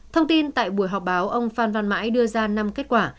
thông tin tại buổi họp báo ông phan văn mãi đưa ra năm kết quả